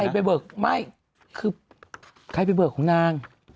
ไปเบิกไม่คือใครไปเบิกของนาง